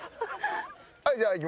はいじゃあいきましょう。